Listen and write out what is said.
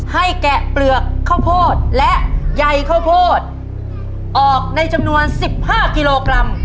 ให้แกะเปลือกข้าวโพกและไยข้าวโพกออกในจำนวนสิบห้ากิโลกรัม